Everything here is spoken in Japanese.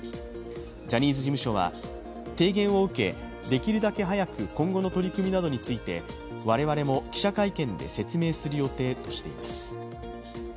ジャニーズ事務所は、提言を受け、できるだけ早く今後の取り組みなどについて我々も記者会見で説明する予定としています。